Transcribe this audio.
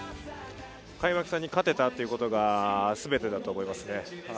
開幕戦に勝てたということがすべてだと思います。